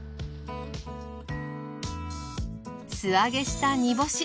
素揚げした煮干し。